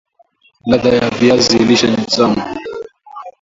ladha ya viazi lishe ni tamu